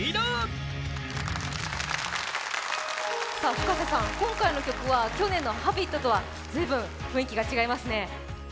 Ｆｕｋａｓｅさん、今回の曲は去年の「Ｈａｂｉｔ」とは随分雰囲気が違いますね。